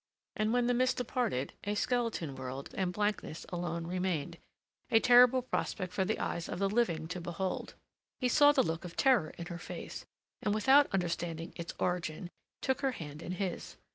And when the mist departed a skeleton world and blankness alone remained—a terrible prospect for the eyes of the living to behold. He saw the look of terror in her face, and without understanding its origin, took her hand in his.